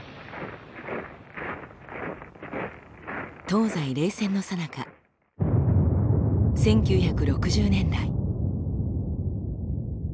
東西冷戦のさなか１９６０年代。